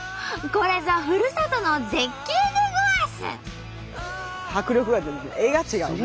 これぞふるさとの絶景でごわす！